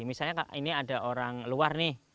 misalnya ini ada orang luar nih